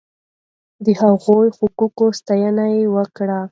د هغوی د حقوقو ساتنه وکړئ.